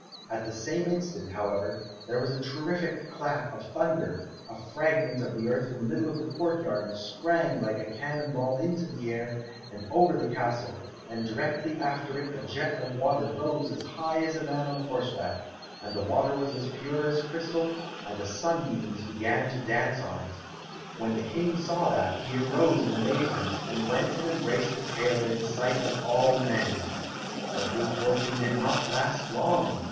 At the same instant, however, there was a terrific clap of thunder, a fragment of earth in the middle of the court yard sprang like a cannon ball into the air, and over the castle, and directly after it a jet of water rose as high as a man on horseback, and the water was as pure as crystal, and the sunbeams began to dance on it. When the King saw that he arose in amazement, and went and embraced the tailor in the sight of all men. But good fortune did not last long.